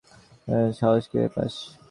একজন অফিসারের সাথে লাগালাগির সাহস কিভাবে পাস?